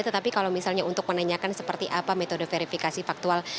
tetapi kalau misalnya untuk menanyakan seperti apa metode verifikasi faktual